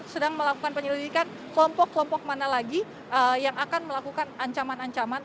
sedang melakukan penyelidikan kelompok kelompok mana lagi yang akan melakukan ancaman ancaman